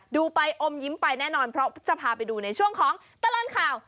ดูไปอมยิ้มไปแน่นอนเพราะไปลองที่ช่วงของตลังข่าว